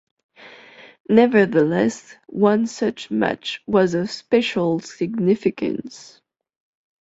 Nevertheless, one such match was of special significance.